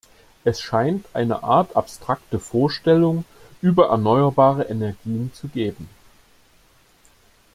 Es scheint eine Art abstrakte Vorstellung über erneuerbare Energien zu geben.